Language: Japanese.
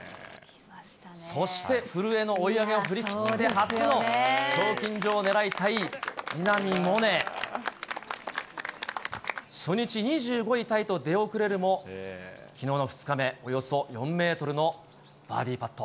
そして、古江の追い上げを振り切って、初の賞金女王を狙いたい稲見萌寧。初日、２５位タイと出遅れるも、きのうの２日目、およそ４メートルのバーディーパット。